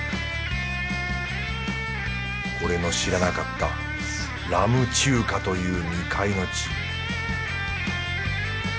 俺の知らなかったラム中華という未開の地